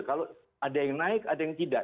kalau ada yang naik ada yang tidak